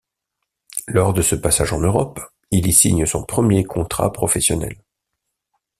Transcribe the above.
Lors de ce passage en Europe, il y signe son premier contrat professionnel.